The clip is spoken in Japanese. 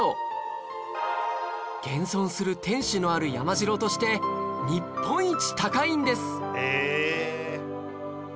現存する天守のある山城として日本一高いんです